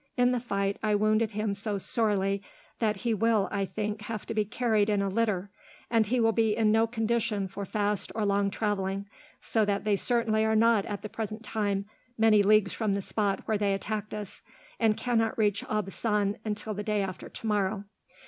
"In the fight I wounded him so sorely that he will, I think, have to be carried in a litter, and he will be in no condition for fast or long travelling, so that they certainly are not, at the present time, many leagues from the spot where they attacked us, and cannot reach Aubusson until the day after tomorrow.